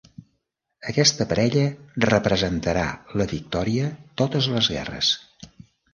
Aquesta parella representarà la victòria totes les guerres.